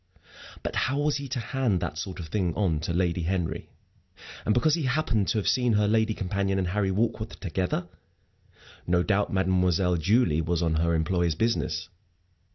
But how was he to hand that sort of thing on to Lady Henry? and because he happened to have seen her lady companion and Harry Warkworth together? No doubt Mademoiselle Julie was on her employer's business.